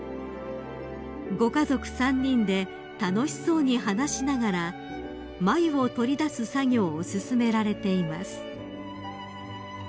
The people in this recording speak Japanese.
［ご家族３人で楽しそうに話しながら繭を取り出す作業を進められています］